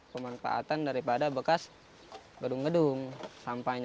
pemanfaatan daripada bekas gedung gedung sampahnya